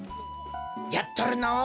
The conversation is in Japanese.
やっとるのう。